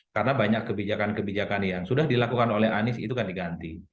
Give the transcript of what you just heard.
karena banyak kebijakan kebijakan yang sudah dilakukan oleh anis itu kan diganti